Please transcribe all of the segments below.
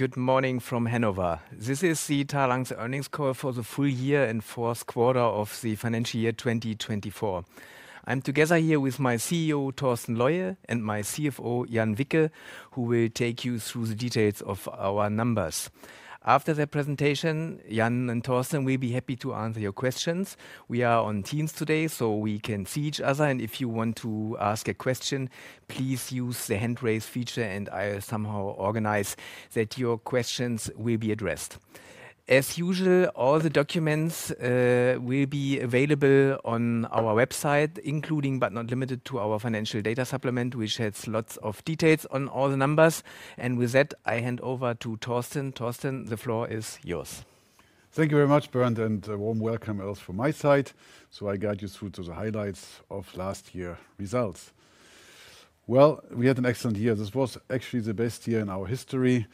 Good morning from Hannover. This is the Talanx earnings call for the full year and fourth quarter of the financial year 2024. I'm together here with my CEO, Torsten Leue, and my CFO, Jan Wicke, who will take you through the details of our numbers. After their presentation, Jan and Torsten will be happy to answer your questions. We are on Teams today, so we can see each other, and if you want to ask a question, please use the hand-raise feature, and I'll somehow organize that your questions will be addressed. As usual, all the documents will be available on our website, including but not limited to our financial data supplement, which has lots of details on all the numbers. With that, I hand over to Torsten. Torsten, the floor is yours. Thank you very much, Bernd, and a warm welcome also from my side. I'll guide you through to the highlights of last year's results. We had an excellent year. This was actually the best year in our history.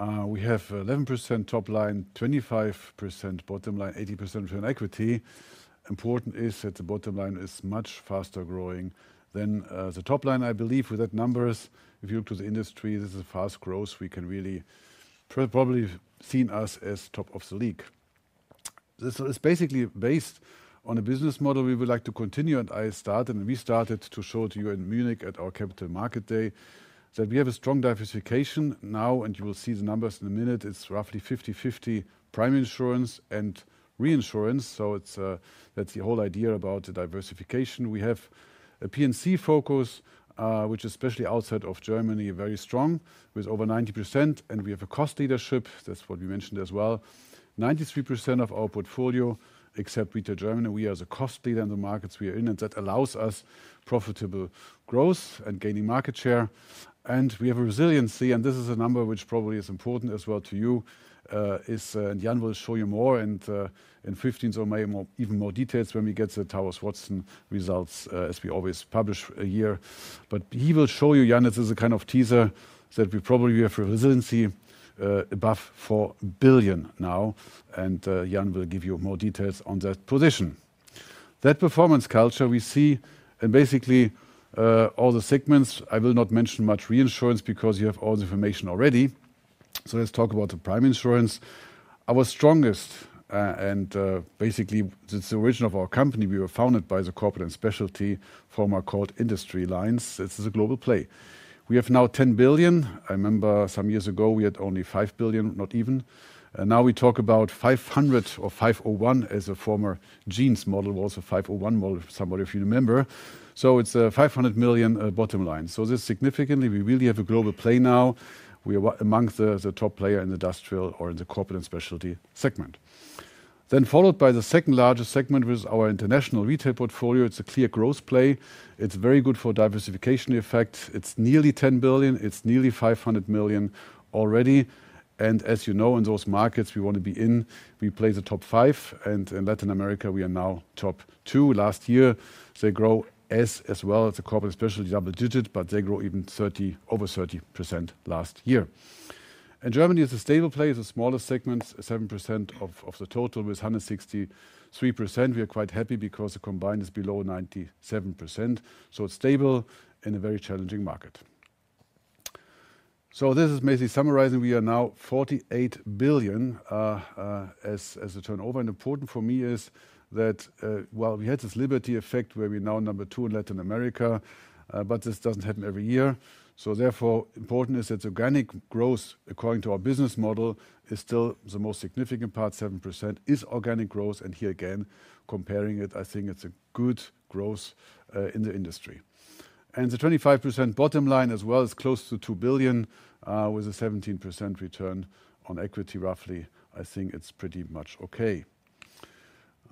We have 11% top line, 25% bottom line, 80% return on equity. Important is that the bottom line is much faster growing than the top line. I believe with that numbers, if you look to the industry, this is fast growth. We can really probably see us as top of the league. This is basically based on a business model we would like to continue, and I started, and we started to show to you in Munich at our Capital Market Day that we have a strong diversification now, and you will see the numbers in a minute. It's roughly 50-50 primary insurance and reinsurance. That's the whole idea about the diversification. We have a P&C focus, which is especially outside of Germany very strong, with over 90%, and we have a cost leadership. That's what we mentioned as well. 93% of our portfolio, except Retail Germany, we are the cost leader in the markets we are in, and that allows us profitable growth and gaining market share. We have a resiliency, and this is a number which probably is important as well to you, and Jan will show you more and in 15 or maybe even more details when we get the Towers Watson results, as we always publish a year. He will show you, Jan, this is a kind of teaser that we probably have a resiliency above 4 billion now, and Jan will give you more details on that position. That performance culture we see, and basically all the segments, I will not mention much reinsurance because you have all the information already. Let's talk about the prime insurance. Our strongest, and basically it's the origin of our company. We were founded by the corporate & specialty, former called Industry Lines. This is a global play. We have now 10 billion. I remember some years ago we had only 5 billion, not even. Now we talk about 500 million or 501 as a former jeans model, was a 501 model, somebody if you remember. It's a 500 million bottom line. This significantly, we really have a global play now. We are amongst the top player in the industrial or in the corporate & specialty segment. Then followed by the second largest segment with our international retail portfolio. It's a clear growth play. It's very good for diversification effect. It's nearly 10 billion. It's nearly 500 million already. And as you know, in those markets we want to be in, we play the top five. In Latin America, we are now top two last year. They grow as well as the Corporate & Specialty double digit, but they grow even over 30% last year. Germany is a stable play, is a smaller segment, 7% of the total with 163%. We are quite happy because the combined is below 97%. It is stable in a very challenging market. This is basically summarizing. We are now 48 billion as a turnover. Important for me is that, well, we had this Liberty effect where we're now number two in Latin America, but this doesn't happen every year. Therefore, important is that organic growth, according to our business model, is still the most significant part, 7% is organic growth. Here again, comparing it, I think it's a good growth in the industry. The 25% bottom line as well is close to 2 billion with a 17% return on equity. Roughly, I think it's pretty much okay.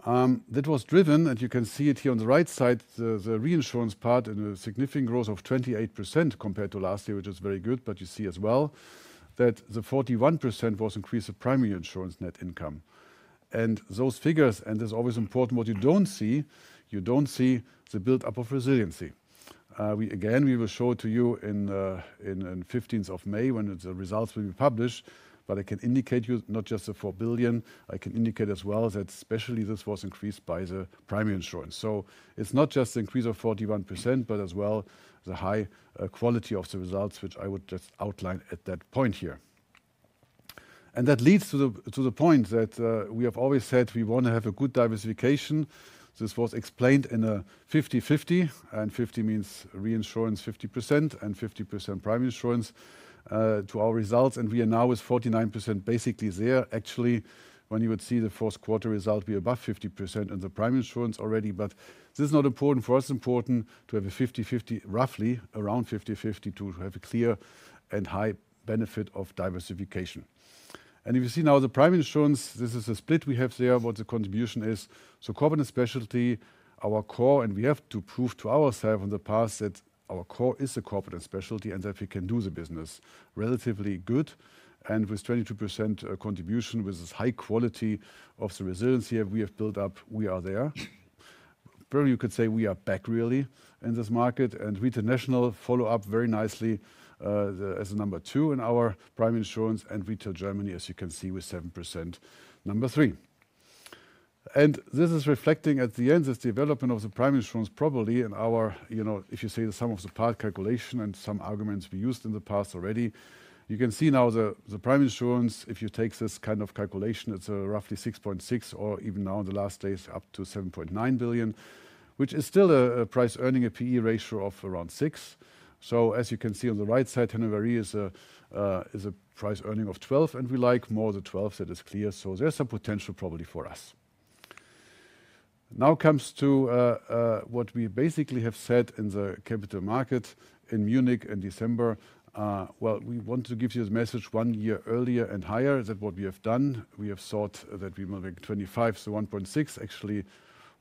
That was driven, and you can see it here on the right side, the reinsurance part in a significant growth of 28% compared to last year, which is very good. You see as well that the 41% was increase of primary insurance net income. Those figures, and this is always important, what you don't see, you don't see the buildup of resiliency. Again, we will show it to you on 15th of May when the results will be published, but I can indicate you not just the 4 billion. I can indicate as well that especially this was increased by the primary insurance. It is not just the increase of 41%, but as well the high quality of the results, which I would just outline at that point here. That leads to the point that we have always said we want to have a good diversification. This was explained in a 50-50, and 50 means reinsurance 50% and 50% primary insurance to our results. We are now with 49% basically there. Actually, when you would see the fourth quarter result, we are above 50% in the primary insurance already, but this is not important for us. It's important to have a 50-50, roughly around 50-50 to have a clear and high benefit of diversification. If you see now the prime insurance, this is the split we have there, what the contribution is. Corporate and specialty, our core, and we have to prove to ourselves in the past that our core is corporate and specialty and that we can do the business relatively good. With 22% contribution with this high quality of the resiliency we have built up, we are there. You could say we are back really in this market. Retail national follow-up very nicely as a number two in our prime insurance and retail Germany, as you can see with 7% number three. This is reflecting at the end this development of the prime insurance probably in our, you know, if you say the sum of the part calculation and some arguments we used in the past already, you can see now the prime insurance, if you take this kind of calculation, it's roughly 6.6 billion or even now in the last days up to 7.9 billion, which is still a price-earning, a P/E ratio of around 6. As you can see on the right side, Hannover is a price-earning of 12, and we like more the 12. That is clear. There is some potential probably for us. Now comes to what we basically have said in the capital market in Munich in December. We want to give you the message one year earlier and higher. That's what we have done. We have thought that we might make 2025, so 1.6 billion actually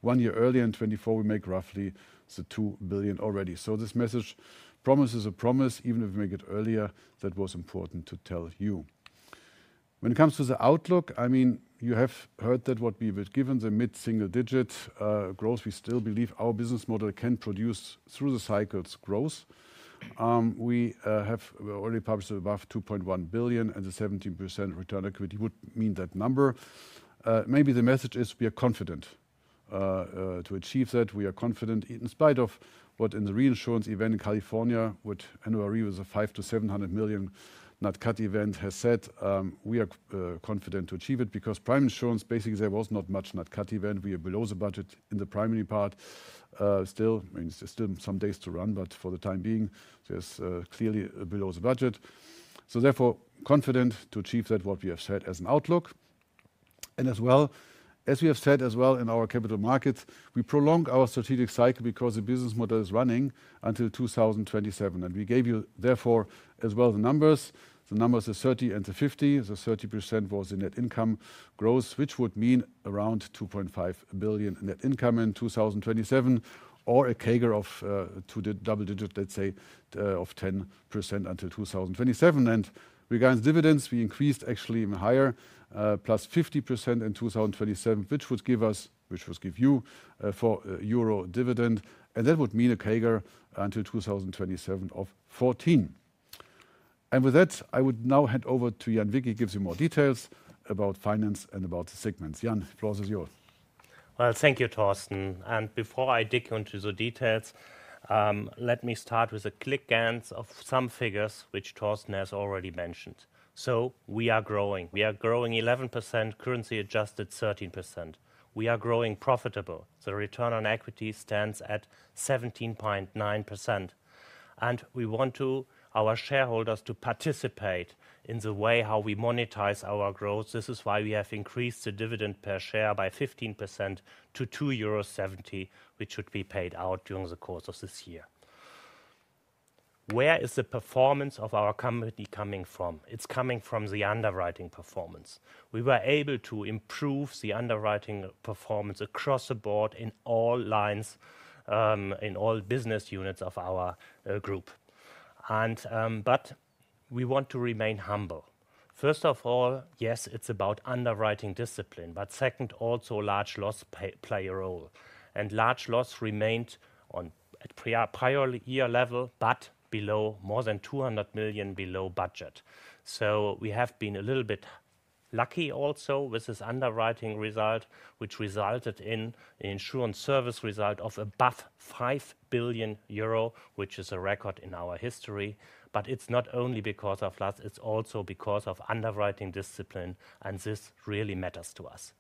one year earlier and 2024 we make roughly the 2 billion already. This message promises a promise, even if we make it earlier, that was important to tell you. When it comes to the outlook, I mean, you have heard that what we were given the mid-single digit growth, we still believe our business model can produce through the cycles growth. We have already published above 2.1 billion and the 17% return on equity would mean that number. Maybe the message is we are confident to achieve that. We are confident in spite of what in the reinsurance event in California with Hannover Re with a 500 million-700 million Nat Cat event has said, we are confident to achieve it because primary insurance basically there was not much Nat Cat event. We are below the budget in the primary part. Still, I mean, there's still some days to run, but for the time being, there's clearly below the budget. Therefore, confident to achieve that what we have said as an outlook. As well, as we have said as well in our capital markets, we prolong our strategic cycle because the business model is running until 2027. We gave you therefore as well the numbers. The numbers are 30 and 50. The 30% was the net income growth, which would mean around 2.5 billion net income in 2027 or a CAGR of two double digits, let's say of 10% until 2027. Regarding dividends, we increased actually even higher, plus 50% in 2027, which would give us, which would give you four EUR dividend. That would mean a CAGR until 2027 of 14%. With that, I would now hand over to Jan Wicke who gives you more details about finance and about the segments. Jan, the floor is yours. Thank you, Torsten. Before I dig into the details, let me start with a quick glance of some figures which Torsten has already mentioned. We are growing. We are growing 11%, currency adjusted 13%. We are growing profitable. The return on equity stands at 17.9%. We want our shareholders to participate in the way how we monetize our growth. This is why we have increased the dividend per share by 15% to 2.70 euro, which should be paid out during the course of this year. Where is the performance of our company coming from? It is coming from the underwriting performance. We were able to improve the underwriting performance across the board in all lines, in all business units of our group. We want to remain humble. First of all, yes, it is about underwriting discipline, but second, also large loss play a role. Large loss remained on a prior year level, but more than 200 million below budget. We have been a little bit lucky also with this underwriting result, which resulted in the insurance service result of above 5 billion euro, which is a record in our history. It is not only because of us, it is also because of underwriting discipline, and this really matters to us.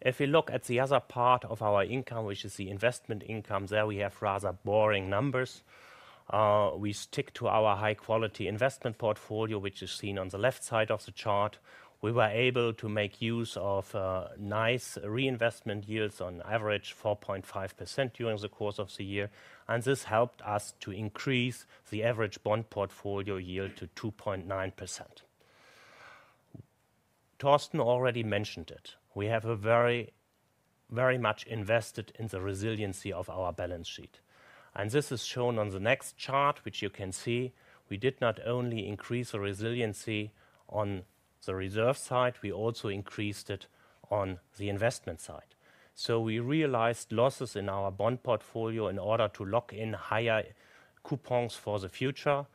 If we look at the other part of our income, which is the investment income, there we have rather boring numbers. We stick to our high-quality investment portfolio, which is seen on the left side of the chart. We were able to make use of nice reinvestment yields on average 4.5% during the course of the year. This helped us to increase the average bond portfolio yield to 2.9%. Torsten already mentioned it. We have very, very much invested in the resiliency of our balance sheet. This is shown on the next chart, which you can see. We did not only increase the resiliency on the reserve side, we also increased it on the investment side. We realized losses in our bond portfolio in order to lock in higher coupons for the future.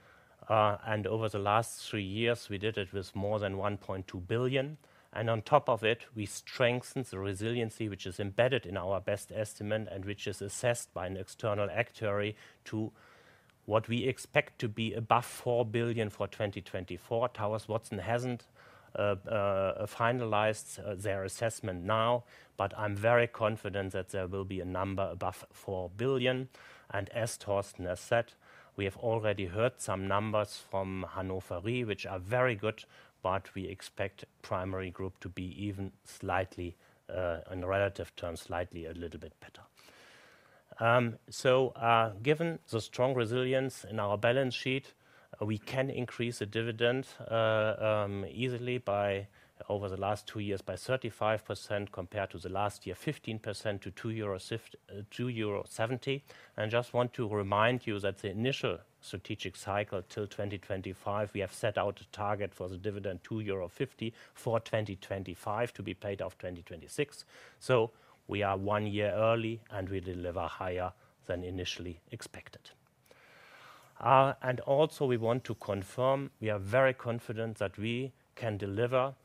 Over the last three years, we did it with more than 1.2 billion. On top of it, we strengthened the resiliency, which is embedded in our best estimate and which is assessed by an external actuary to what we expect to be above 4 billion for 2024. Towers Watson has not finalized their assessment now, but I am very confident that there will be a number above 4 billion. As Torsten has said, we have already heard some numbers from Hannover Re, which are very good, but we expect primary group to be even slightly, in relative terms, slightly a little bit better. Given the strong resilience in our balance sheet, we can increase the dividend easily by over the last two years by 35% compared to last year, 15% to 2.70 euro. I just want to remind you that the initial strategic cycle till 2025, we have set out a target for the dividend 2.50 euro for 2025 to be paid off 2026. We are one year early and we deliver higher than initially expected. We also want to confirm we are very confident that we can deliver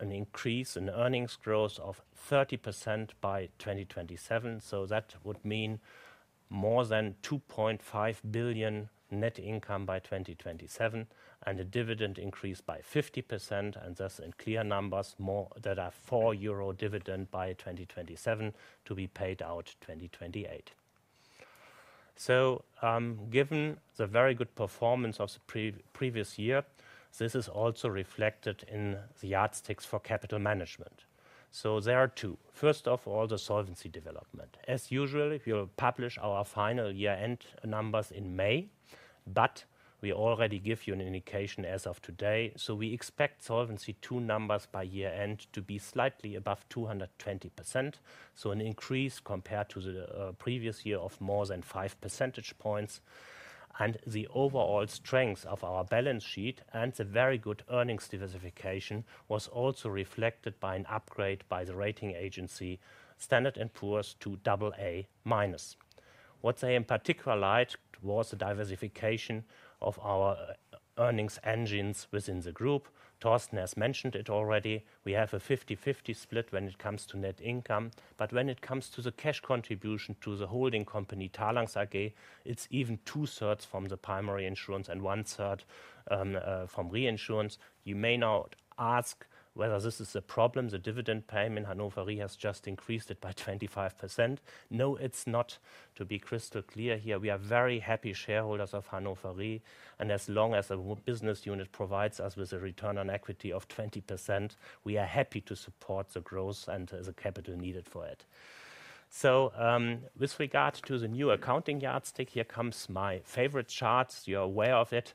an increase in earnings growth of 30% by 2027. That would mean more than 2.5 billion net income by 2027 and a dividend increase by 50%. That is in clear numbers more than a 4 euro dividend by 2027 to be paid out 2028. Given the very good performance of the previous year, this is also reflected in the yardsticks for capital management. There are two. First of all, the solvency development. As usual, we will publish our final year-end numbers in May, but we already give you an indication as of today. We expect Solvency II numbers by year-end to be slightly above 220%. That is an increase compared to the previous year of more than 5 percentage points. The overall strength of our balance sheet and the very good earnings diversification was also reflected by an upgrade by the rating agency Standard and Poor's to AA-. What they in particular liked was the diversification of our earnings engines within the group. Torsten has mentioned it already. We have a 50-50 split when it comes to net income. When it comes to the cash contribution to the holding company Talanx, it is even two-thirds from the primary insurance and one-third from reinsurance. You may now ask whether this is a problem. The dividend payment, Hannover Re has just increased it by 25%. No, it is not. To be crystal clear here, we are very happy shareholders of Hannover Re. As long as the business unit provides us with a return on equity of 20%, we are happy to support the growth and the capital needed for it. With regard to the new accounting yardstick, here comes my favorite chart. You are aware of it.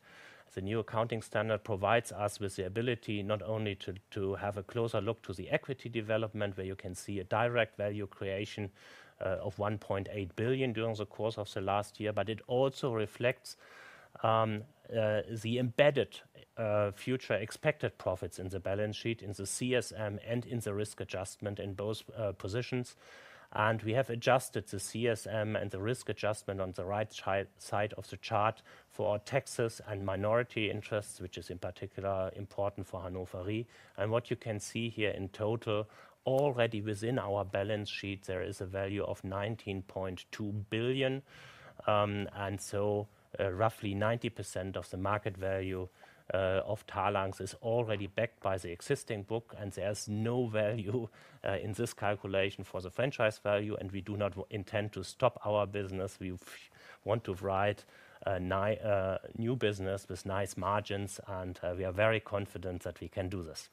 The new accounting standard provides us with the ability not only to have a closer look to the equity development where you can see a direct value creation of 1.8 billion during the course of the last year, but it also reflects the embedded future expected profits in the balance sheet, in the CSM and in the risk adjustment in both positions. We have adjusted the CSM and the risk adjustment on the right side of the chart for taxes and minority interests, which is in particular important for Hannover Re. What you can see here in total, already within our balance sheet, there is a value of 19.2 billion. Roughly 90% of the market value of Talanx is already backed by the existing book. There is no value in this calculation for the franchise value. We do not intend to stop our business. We want to write a new business with nice margins. We are very confident that we can do this.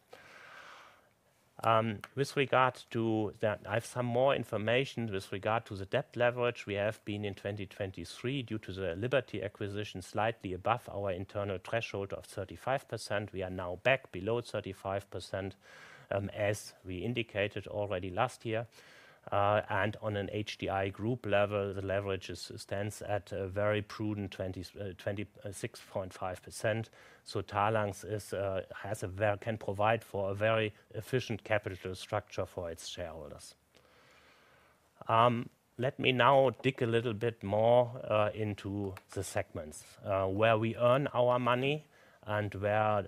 With regard to that, I have some more information with regard to the debt leverage. We have been in 2023 due to the Liberty acquisition slightly above our internal threshold of 35%. We are now back below 35% as we indicated already last year. On an HDI group level, the leverage stands at a very prudent 26.5%. Talanx can provide for a very efficient capital structure for its shareholders. Let me now dig a little bit more into the segments where we earn our money and where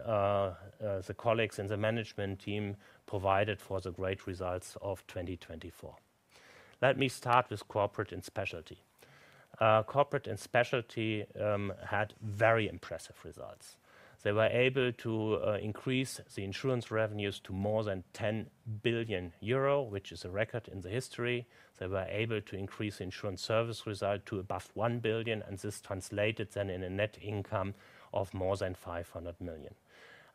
the colleagues in the management team provided for the great results of 2024. Let me start with corporate and specialty. Corporate and specialty had very impressive results. They were able to increase the insurance revenues to more than 10 billion euro, which is a record in the history. They were able to increase the insurance service result to above 1 billion. This translated then in a net income of more than 500 million.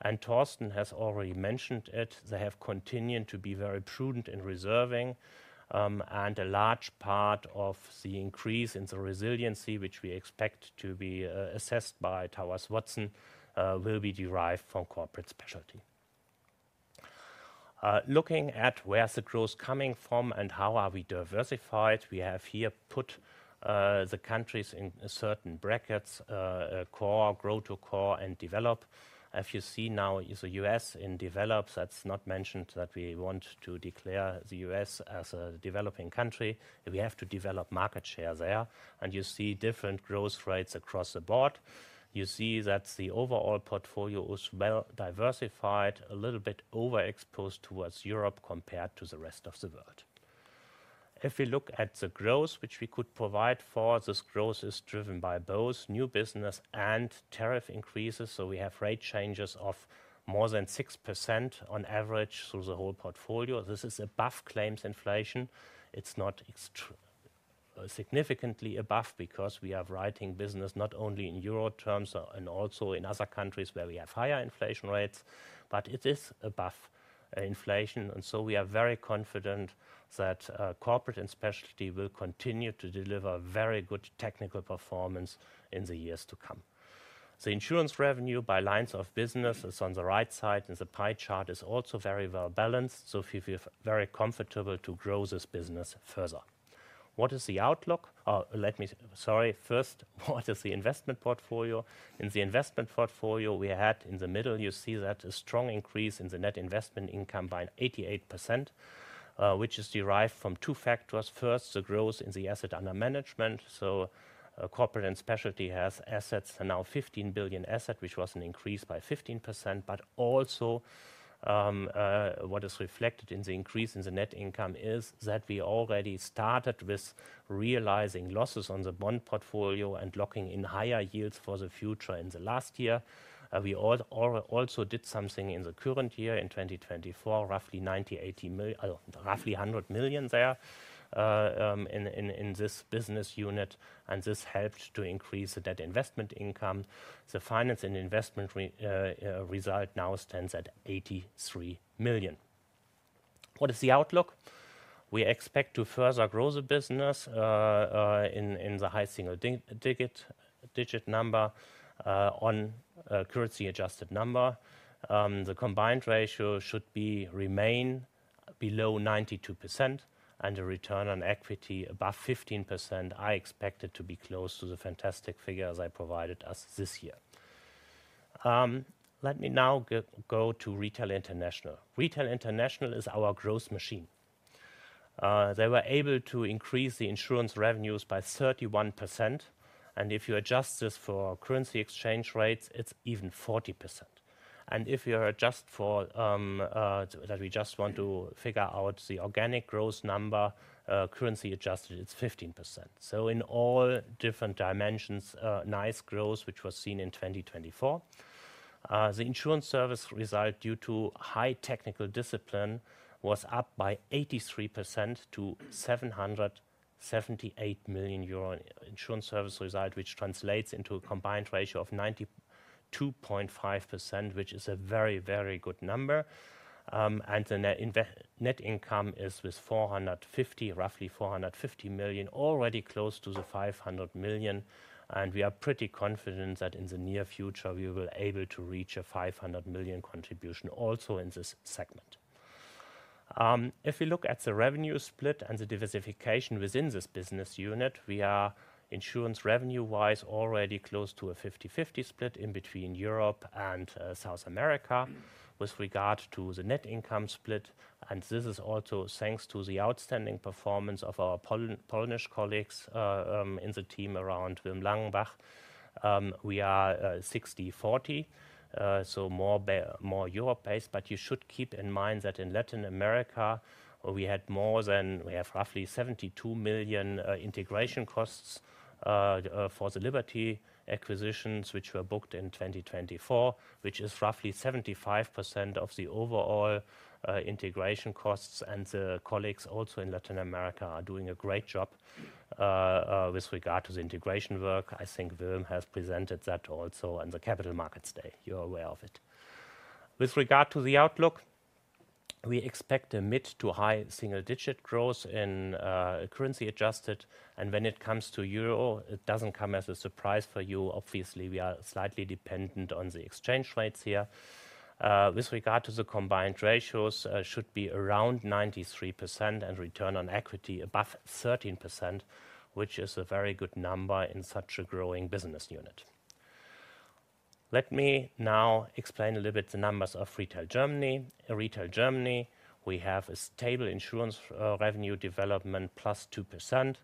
Torsten has already mentioned it. They have continued to be very prudent in reserving. A large part of the increase in the resiliency, which we expect to be assessed by Towers Watson, will be derived from corporate specialty. Looking at where the growth is coming from and how are we diversified, we have here put the countries in certain brackets: core, grow to core, and develop. If you see now is the U.S. in develop, that's not mentioned that we want to declare the U.S. as a developing country. We have to develop market share there. You see different growth rates across the board. You see that the overall portfolio is well diversified, a little bit overexposed towards Europe compared to the rest of the world. If we look at the growth, which we could provide for, this growth is driven by both new business and tariff increases. We have rate changes of more than 6% on average through the whole portfolio. This is above claims inflation. It is not significantly above because we are writing business not only in EUR terms and also in other countries where we have higher inflation rates, but it is above inflation. We are very confident that corporate and specialty will continue to deliver very good technical performance in the years to come. The insurance revenue by lines of business is on the right side in the pie chart and is also very well balanced. We feel very comfortable to grow this business further. What is the outlook? Let me, sorry, first, what is the investment portfolio? In the investment portfolio, you see that a strong increase in the net investment income by 88%, which is derived from two factors. First, the growth in the asset under management. Corporate and specialty has assets now 15 billion, which was an increase by 15%. Also, what is reflected in the increase in the net income is that we already started with realizing losses on the bond portfolio and locking in higher yields for the future in the last year. We also did something in the current year in 2024, roughly 90 million, 80 million, roughly 100 million there in this business unit. This helped to increase the net investment income. The finance and investment result now stands at 83 million. What is the outlook? We expect to further grow the business in the high single-digit number on currency adjusted number. The combined ratio should remain below 92% and the return on equity above 15%. I expect it to be close to the fantastic figures I provided us this year. Let me now go to retail international. Retail international is our growth machine. They were able to increase the insurance revenues by 31%. If you adjust this for currency exchange rates, it's even 40%. If you adjust for that, we just want to figure out the organic growth number, currency adjusted, it's 15%. In all different dimensions, nice growth, which was seen in 2024. The insurance service result due to high technical discipline was up by 83% to 778 million euro insurance service result, which translates into a combined ratio of 92.5%, which is a very, very good number. The net income is with 450 million, roughly 450 million, already close to the 500 million. We are pretty confident that in the near future, we will be able to reach a 500 million contribution also in this segment. If we look at the revenue split and the diversification within this business unit, we are insurance revenue-wise already close to a 50-50 split in between Europe and South America with regard to the net income split. This is also thanks to the outstanding performance of our Polish colleagues in the team around Wilm Langenbach. We are 60-40, so more Europe-based. You should keep in mind that in Latin America, we had more than, we have roughly 72 million integration costs for the Liberty acquisitions, which were booked in 2024, which is roughly 75% of the overall integration costs. The colleagues also in Latin America are doing a great job with regard to the integration work. I think Wilm has presented that also on the Capital Markets Day. You're aware of it. With regard to the outlook, we expect a mid to high single digit growth in currency adjusted. When it comes to euro, it does not come as a surprise for you. Obviously, we are slightly dependent on the exchange rates here. With regard to the combined ratios, it should be around 93% and return on equity above 13%, which is a very good number in such a growing business unit. Let me now explain a little bit the numbers of retail Germany. In retail Germany, we have a stable insurance revenue development plus 2%.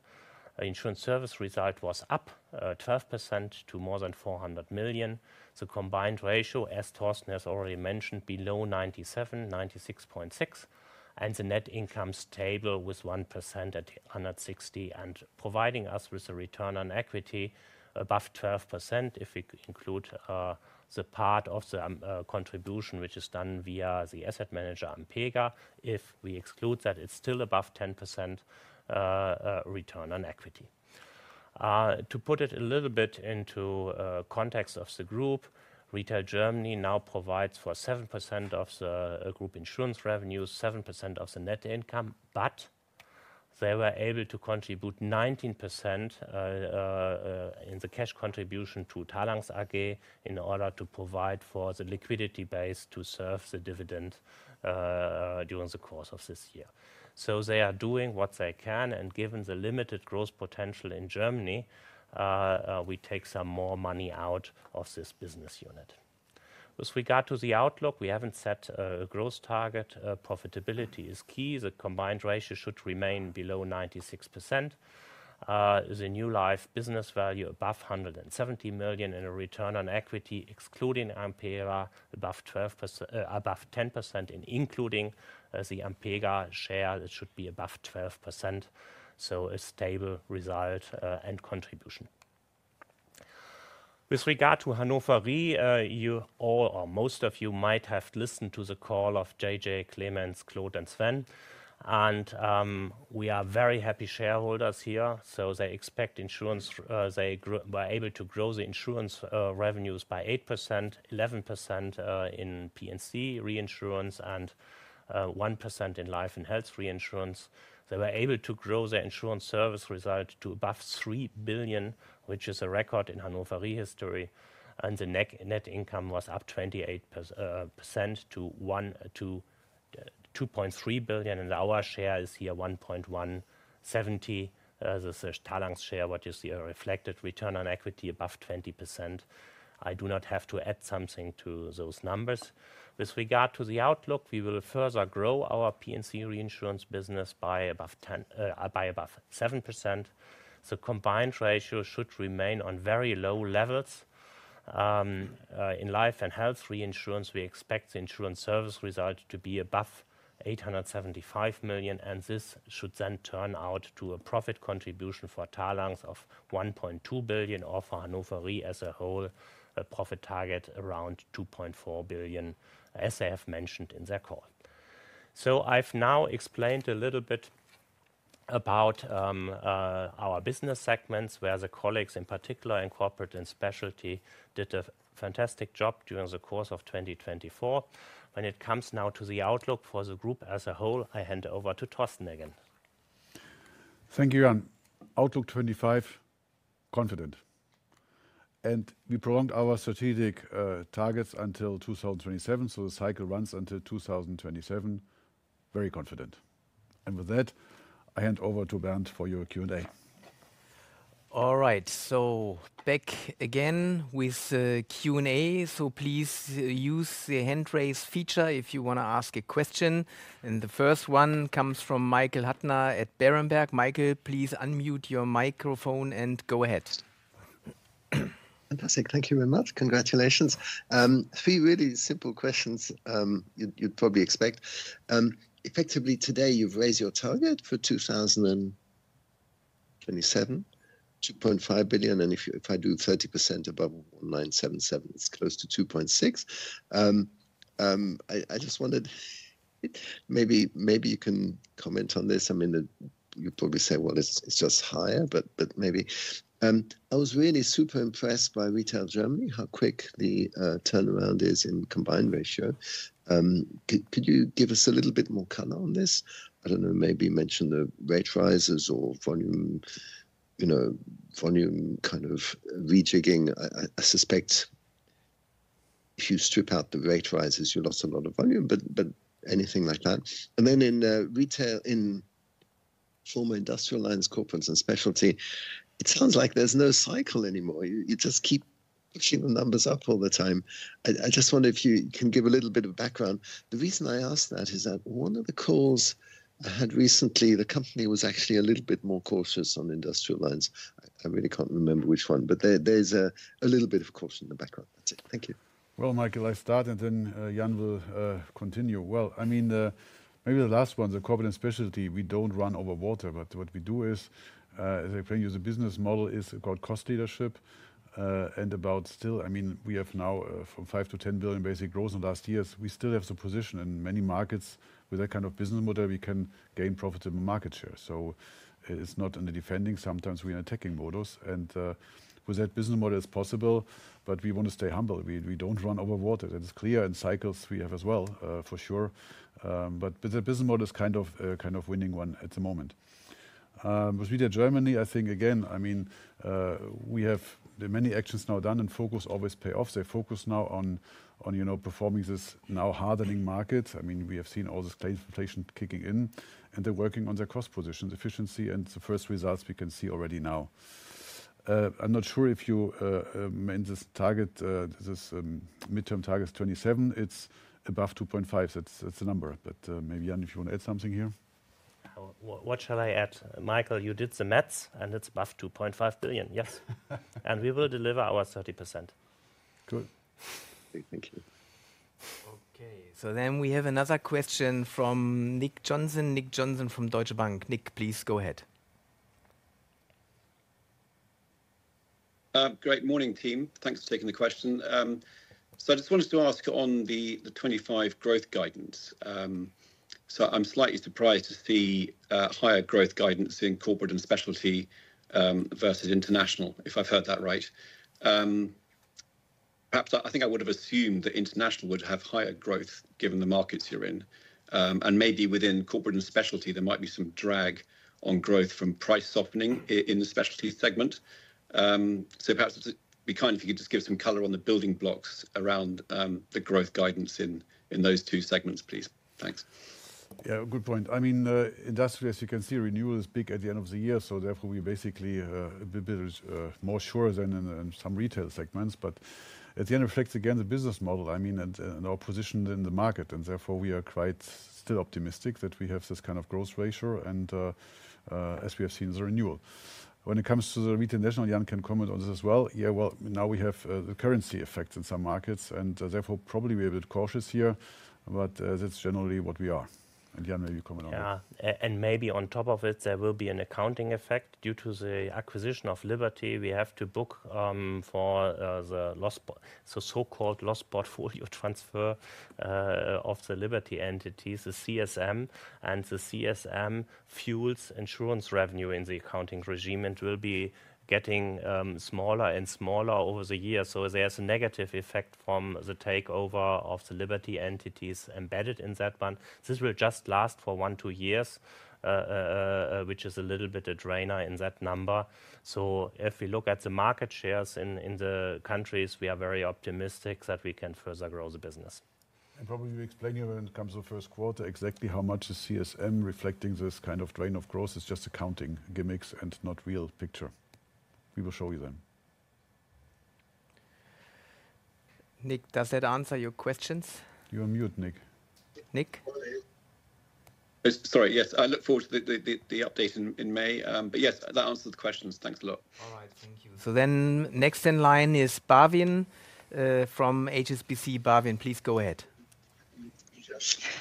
Insurance service result was up 12% to more than 400 million. The combined ratio, as Torsten has already mentioned, below 97, 96.6, and the net income stable with 1% at 160 million and providing us with a return on equity above 12%. If we include the part of the contribution, which is done via the asset manager Ampega, if we exclude that, it's still above 10% return on equity. To put it a little bit into context of the group, retail Germany now provides for 7% of the group insurance revenue, 7% of the net income, but they were able to contribute 19% in the cash contribution to Talanx in order to provide for the liquidity base to serve the dividend during the course of this year. They are doing what they can. Given the limited growth potential in Germany, we take some more money out of this business unit. With regard to the outlook, we haven't set a growth target. Profitability is key. The combined ratio should remain below 96%. The new life business value above 170 million and a return on equity excluding Ampega above 10% and including the Ampega share, it should be above 12%. A stable result and contribution. With regard to Hannover Re, you all, or most of you, might have listened to the call of JJ, Clemens, Claude, and Sven. We are very happy shareholders here. They expect insurance, they were able to grow the insurance revenues by 8%, 11% in P&C Reinsurance, and 1% in life & health reinsurance. They were able to grow their insurance service result to above 3 billion, which is a record in Hannover Re history. The net income was up 28% to 2.3 billion. Our share is here 1.170. This is Talanx's share, what you see are reflected return on equity above 20%. I do not have to add something to those numbers. With regard to the outlook, we will further grow our P&C Reinsurance business by above 7%. The combined ratio should remain on very low levels. In life & health reinsurance, we expect the insurance service result to be above 875 million. This should then turn out to a profit contribution for Talanx of 1.2 billion or for Hannover Re as a whole, a profit target around 2.4 billion, as they have mentioned in their call. I have now explained a little bit about our business segments where the colleagues in particular in corporate and specialty did a fantastic job during the course of 2024. When it comes now to the outlook for the group as a whole, I hand over to Torsten again. Thank you, Jan. Outlook 2025, confident. We prolonged our strategic targets until 2027. The cycle runs until 2027. Very confident. With that, I hand over to Bernd for your Q&A. All right. Back again with Q&A. Please use the hand raise feature if you want to ask a question. The first one comes from Michael Huttner at Berenberg. Michael, please unmute your microphone and go ahead. Fantastic. Thank you very much. Congratulations. Three really simple questions you'd probably expect. Effectively, today you've raised your target for 2027, 2.5 billion. If I do 30% above 1977, it's close to 2.6 billion. I just wanted maybe you can comment on this. I mean, you probably say, it's just higher, but maybe. I was really super impressed by retail Germany; how quick the turnaround is in combined ratio. Could you give us a little bit more color on this? I don't know, maybe mention the rate rises or volume kind of rejigging. I suspect if you strip out the rate rises, you lost a lot of volume, but anything like that. In retail, in former industrial lines, corporates and specialty, it sounds like there is no cycle anymore. You just keep pushing the numbers up all the time. I just wonder if you can give a little bit of background. The reason I asked that is that one of the calls I had recently, the company was actually a little bit more cautious on industrial lines. I really cannot remember which one, but there is a little bit of caution in the background. That is it. Thank you. Michael, I start and then Jan will continue. I mean, maybe the last one, the corporate and specialty, we do not run over water. What we do is, if I use a business model, is called cost leadership. About still, I mean, we have now from 5 billion to 10 billion basic growth in the last years. We still have the position in many markets with that kind of business model. We can gain profitable market share. It is not in the defending. Sometimes we are attacking models. With that business model, it is possible, but we want to stay humble. We do not run over water. That is clear in cycles we have as well, for sure. The business model is kind of a winning one at the moment. With retail Germany, I think again, I mean, we have many actions now done and focus always pays off. They focus now on performing this now hardening market. I mean, we have seen all this inflation kicking in and they are working on their cost positions, efficiency, and the first results we can see already now. I am not sure if you meant this target, this midterm target is 27. It is above 2.5. That is the number. Maybe Jan, if you want to add something here. What shall I add? Michael, you did the maths and it's above 2.5 billion. Yes. And we will deliver our 30%. Good. Thank you. Okay. We have another question from Nick Johnson. Nick Johnson from Deutsche Bank. Nick, please go ahead. Great morning, team. Thanks for taking the question. I just wanted to ask on the 2025 growth guidance. I am slightly surprised to see higher growth guidance in corporate and specialty versus international, if I have heard that right. Perhaps I think I would have assumed that international would have higher growth given the markets you are in. Maybe within corporate and specialty, there might be some drag on growth from price softening in the specialty segment. Perhaps it would be kind if you could just give some color on the building blocks around the growth guidance in those two segments, please. Thanks. Yeah, good point. I mean, industrially, as you can see, renewal is big at the end of the year. Therefore, we basically are a bit more sure than in some retail segments. At the end, it reflects again the business model, I mean, and our position in the market. Therefore, we are quite still optimistic that we have this kind of growth ratio and as we have seen the renewal. When it comes to the retail national, Jan can comment on this as well. Yeah, now we have the currency effect in some markets and therefore probably we're a bit cautious here, but that's generally what we are. Jan, maybe you comment on that. Yeah. Maybe on top of it, there will be an accounting effect due to the acquisition of Liberty. We have to book for the so-called loss portfolio transfer of the Liberty entity, the CSM. The CSM fuels insurance revenue in the accounting regime and will be getting smaller and smaller over the years. There is a negative effect from the takeover of the Liberty entities embedded in that one. This will just last for one or two years, which is a little bit a drain in that number. If we look at the market shares in the countries, we are very optimistic that we can further grow the business. Probably you explain here when it comes to the first quarter exactly how much the CSM reflecting this kind of drain of growth is just accounting gimmicks and not real picture. We will show you then. Nick, does that answer your questions? You're on mute, Nick. Nick? Sorry, yes. I look forward to the update in May. Yes, that answers the questions. Thanks a lot. All right, thank you. Next in line is Bavin from HSBC. Bavin, please go ahead.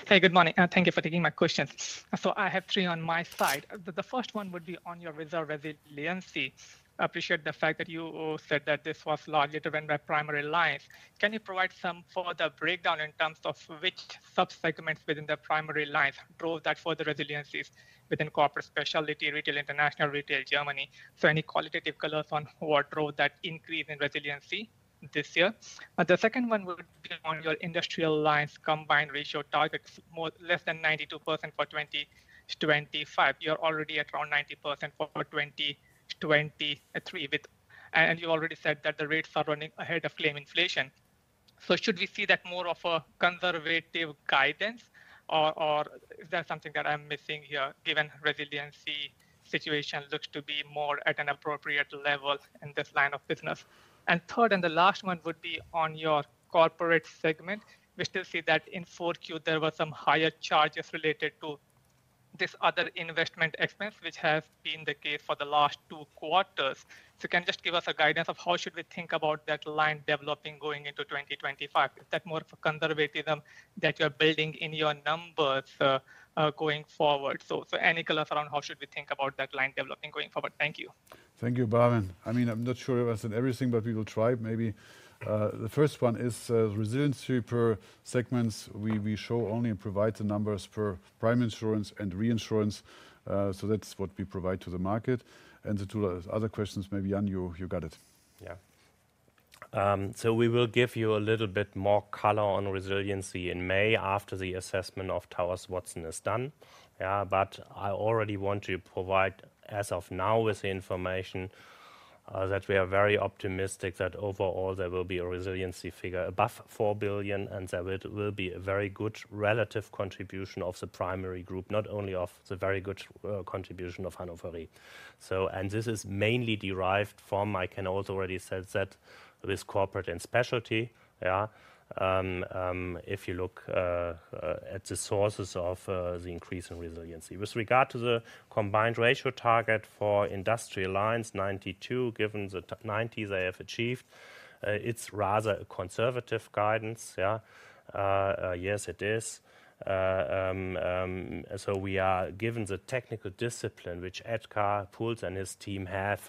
Hey, good morning. Thank you for taking my questions. I have three on my side. The first one would be on your reserve resiliency. I appreciate the fact that you said that this was largely driven by primary lines. Can you provide some further breakdown in terms of which subsegments within the primary lines drove that further resiliencies within corporate specialty, retail international, retail Germany? Any qualitative colors on what drove that increase in resiliency this year? The second one would be on your industrial lines combined ratio target, less than 92% for 2025. You're already at around 90% for 2023. You already said that the rates are running ahead of claim inflation. Should we see that as more of a conservative guidance, or is that something that I am missing here, given resiliency situation looks to be more at an appropriate level in this line of business? Third, and the last one would be on your corporate segment. We still see that in Q4, there were some higher charges related to this other investment expense, which has been the case for the last two quarters. Can you just give us guidance of how we should think about that line developing going into 2025? Is that more of a conservatism that you are building in your numbers going forward? Any colors around how we should think about that line developing going forward? Thank you. Thank you, Bavin.I mean, I'm not sure I've answered everything, but we will try. Maybe the first one is resiliency per segments. We show only and provide the numbers for primary insurance and reinsurance. That is what we provide to the market. To other questions, maybe Jan, you got it. Yeah. We will give you a little bit more color on resiliency in May after the assessment of Towers Watson is done. Yeah, but I already want to provide as of now with the information that we are very optimistic that overall there will be a resiliency figure above 4 billion, and there will be a very good relative contribution of the primary group, not only of the very good contribution of Hannover Re. This is mainly derived from, I can also already say that with corporate and specialty, if you look at the sources of the increase in resiliency. With regard to the combined ratio target for industrial lines, 92%, given the 90s I have achieved, it is rather a conservative guidance. Yes, it is. We are, given the technical discipline which Edgar Puls and his team have,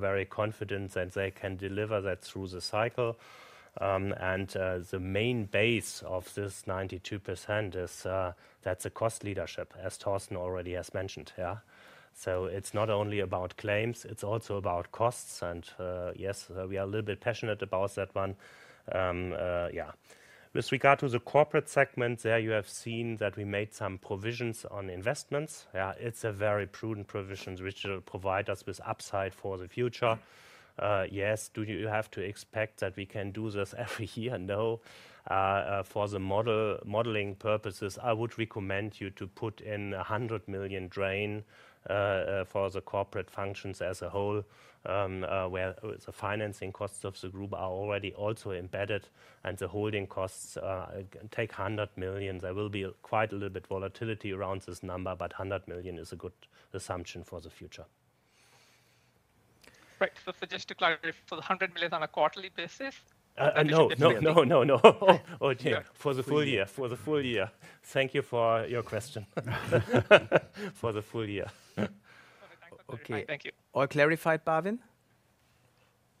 very confident that they can deliver that through the cycle. The main base of this 92% is that is a cost leadership, as Torsten already has mentioned. It is not only about claims, it is also about costs. Yes, we are a little bit passionate about that one. With regard to the corporate segment, there you have seen that we made some provisions on investments. Yeah, it's a very prudent provision which will provide us with upside for the future. Yes, do you have to expect that we can do this every year? No. For the modeling purposes, I would recommend you to put in a 100 million drain for the corporate functions as a whole, where the financing costs of the group are already also embedded, and the holding costs take 100 million. There will be quite a little bit of volatility around this number, but 100 million is a good assumption for the future. Right. Just to clarify, for the 100 million on a quarterly basis? No, no, no, no. For the full year. For the full year. Thank you for your question. For the full year. Okay. Thank you. All clarified, Bavin?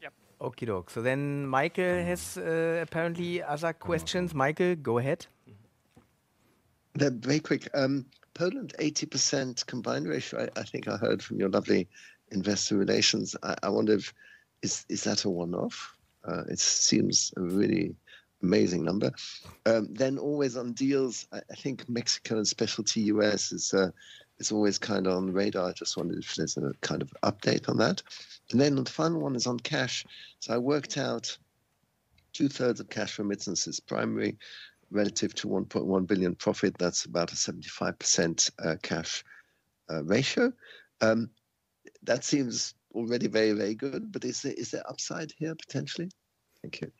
Yep. Okie doke. Michael has apparently other questions. Michael, go ahead. Very quick. Poland, 80% combined ratio. I think I heard from your lovely investor relations. I wonder if is that a one-off? It seems a really amazing number. Always on deals, I think Mexico and specialty U.S. is always kind of on the radar. I just wondered if there's a kind of update on that. The Final one is on cash. I worked out two-thirds of cash remittances, primary relative to 1.1 billion profit. That's about a 75% cash ratio. That seems already very, very good. Is there upside here potentially? Thank you.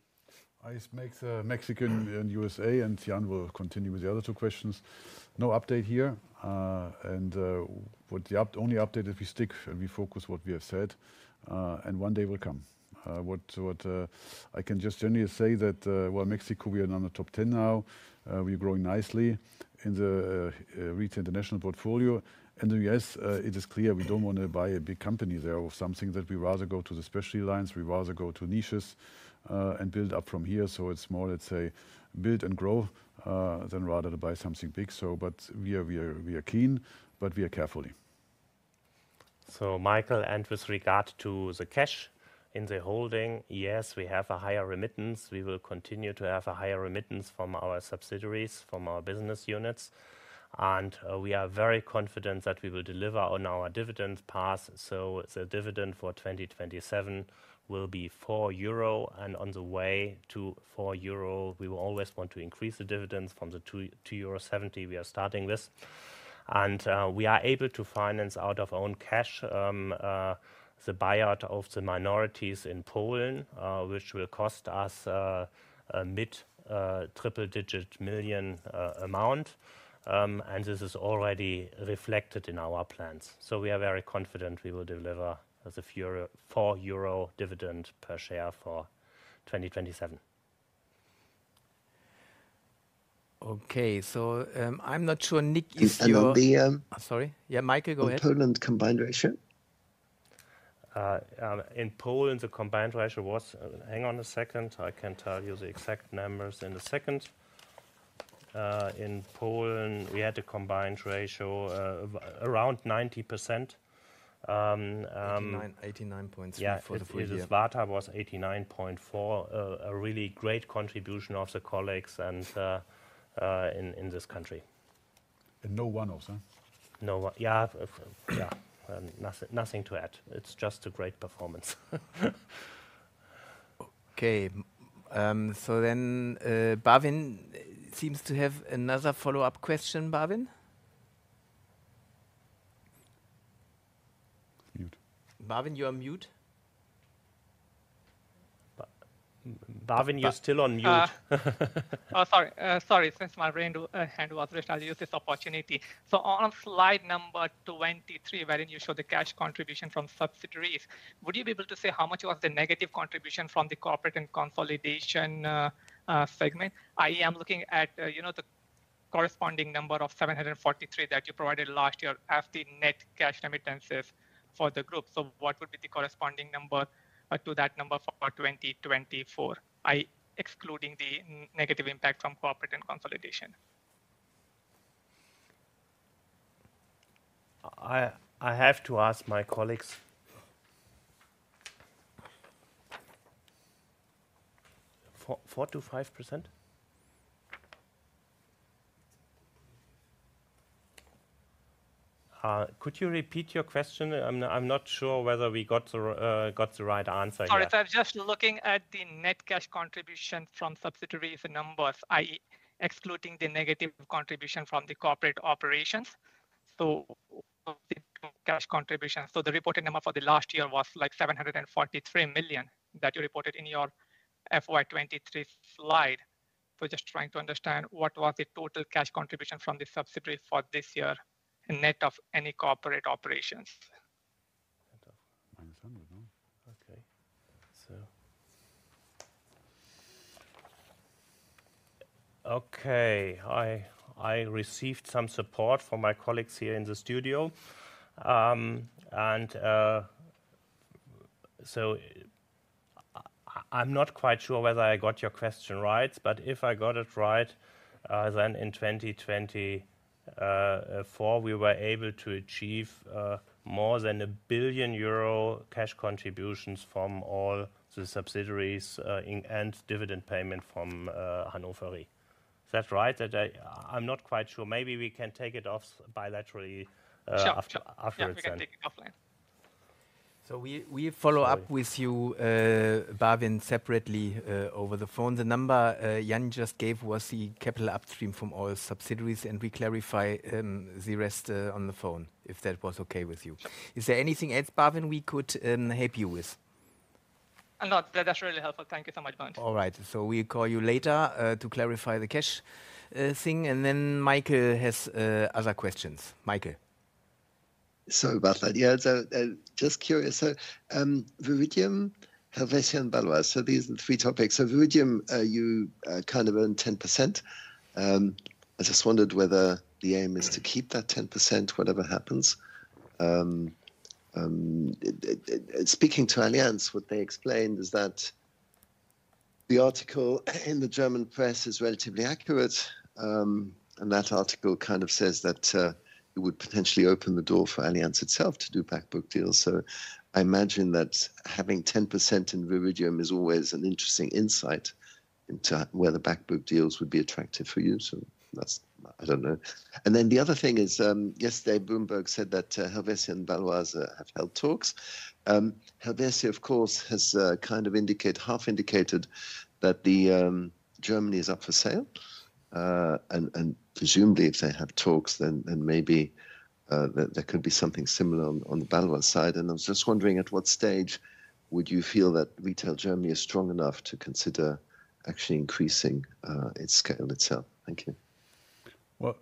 Ice makes a Mexican and U.S.A., and Jan will continue with the other two questions. No update here. The only update is we stick and we focus on what we have said, and one day will come. I can just generally say that Mexico, we are in the top 10 now. We're growing nicely in the retail international portfolio. Yes, it is clear we don't want to buy a big company there or something that we rather go to the specialty lines. We rather go to niches and build up from here. It is more, let's say, build and grow than rather to buy something big. We are keen, but we are carefully. Michael, and with regard to the cash in the holding, yes, we have a higher remittance. We will continue to have a higher remittance from our subsidiaries, from our business units. We are very confident that we will deliver on our dividend path. The dividend for 2027 will be 4 euro. On the way to 4 euro, we will always want to increase the dividends from the 2.70 euro we are starting with. We are able to finance out of own cash the buyout of the minorities in Poland, which will cost us a mid triple digit million amount. This is already reflected in our plans. We are very confident we will deliver the 4 euro dividend per share for 2027. Okay. I'm not sure. Nick, is your... Sorry. Yeah, Michael, go ahead. In Poland, combined ratio? In Poland, the combined ratio was... Hang on a second. I can tell you the exact numbers in a second. In Poland, we had a combined ratio around 90%. 89.4 for the four years. That was 89.4, a really great contribution of the colleagues in this country. And no one also. No one. Yeah. Yeah. Nothing to add. It's just a great performance. Okay. Bavin seems to have another follow-up question, Bavin. Mute. Bavin, you are mute. Bavin, you're still on mute. Oh, sorry. Sorry. Since my hand was raised, I'll use this opportunity. On slide number 23, wherein you show the cash contribution from subsidiaries, would you be able to say how much was the negative contribution from the corporate and consolidation segment? I am looking at the corresponding number of 743 that you provided last year as the net cash remittances for the group. What would be the corresponding number to that number for 2024, excluding the negative impact from corporate and consolidation? I have to ask my colleagues. 4-5%? Could you repeat your question? I'm not sure whether we got the right answer. Sorry. I'm just looking at the net cash contribution from subsidiaries numbers, excluding the negative contribution from the corporate operations. Cash contribution. The reported number for the last year was like 743 million that you reported in your FY2023 slide. Just trying to understand what was the total cash contribution from the subsidiaries for this year net of any corporate operations. Okay. I received some support from my colleagues here in the studio. I'm not quite sure whether I got your question right, but if I got it right, then in 2024, we were able to achieve more than 1 billion euro cash contributions from all the subsidiaries and dividend payment from Hannover Re. Is that right? I'm not quite sure. Maybe we can take it off bilaterally after it's done. Sure. We can take it offline. We follow up with you, Bavin, separately over the phone. The number Jan just gave was the capital upstream from all subsidiaries, and we clarify the rest on the phone if that was okay with you. Is there anything else, Bavin, we could help you with? No, that's really helpful. Thank you so much, Bavin. All right. We'll call you later to clarify the cash thing. Michael has other questions. Michael. Sorry, Bavin. Yeah, just curious. Veridium, Helvetia, and Baloise. These are the three topics. Viridium, you kind of earned 10%. I just wondered whether the aim is to keep that 10%, whatever happens. Speaking to Allianz, what they explained is that the article in the German press is relatively accurate. That article kind of says that it would potentially open the door for Allianz itself to do back book deals. I imagine that having 10% in Viridium is always an interesting insight into whether back book deals would be attractive for you. I don't know. The other thing is, yesterday, Bloomberg said that Helvetia and Baloise have held talks. Helvetia, of course, has kind of indicated, half indicated that Germany is up for sale. Presumably, if they have talks, then maybe there could be something similar on the Baloise side. I was just wondering at what stage would you feel that retail Germany is strong enough to consider actually increasing its scale itself? Thank you.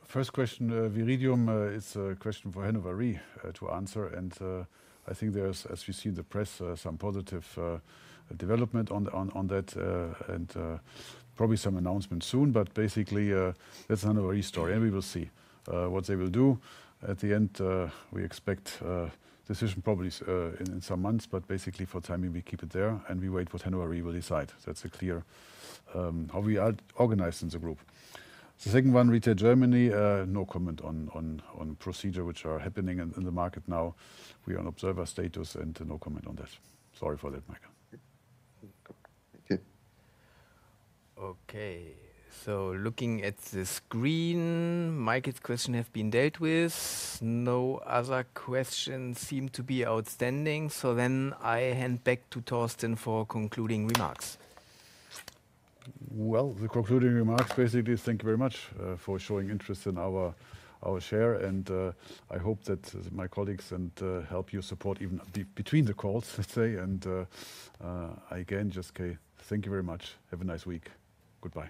First question, Viridium is a question for Hannover Re to answer. I think there is, as we see in the press, some positive development on that and probably some announcement soon. Basically, that is the Hannover Re story. We will see what they will do. At the end, we expect decision probably in some months, but basically, for the timing, we keep it there. We wait what Hannover Re will decide. That is clear how we are organized in the group. The second one, retail Germany, no comment on procedure which are happening in the market now. We are on observer status and no comment on that. Sorry for that, Michael. Thank you. Okay. Looking at the screen, Michael's question has been dealt with. No other questions seem to be outstanding. I hand back to Torsten for concluding remarks. The concluding remarks basically is thank you very much for showing interest in our share. I hope that my colleagues can help you support even between the calls, let's say. Again, just thank you very much. Have a nice week. Goodbye.